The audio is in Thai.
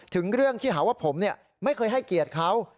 ถึงเรื่องที่หาว่าผมไม่เคยให้เกียรติเขา